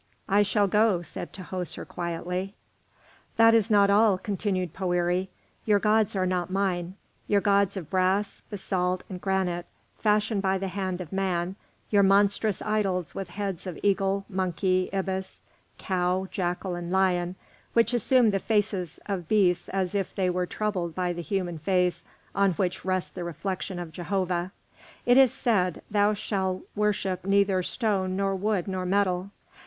"I shall go," said Tahoser, quietly. "That is not all," continued Poëri. "Your gods are not mine, your gods of brass, basalt, and granite, fashioned by the hand of man, your monstrous idols with heads of eagle, monkey, ibis, cow, jackal, and lion, which assume the faces of beasts as if they were troubled by the human face on which rests the reflection of Jehovah. It is said, 'Thou shalt worship neither stone nor wood nor metal.'